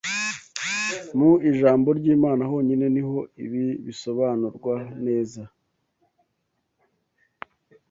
Mu ijambo ry’Imana honyine ni ho ibi bisobanurwa neza